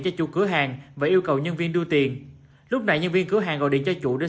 cho chủ cửa hàng và yêu cầu nhân viên đưa tiền lúc này nhân viên cửa hàng gọi điện cho chủ đến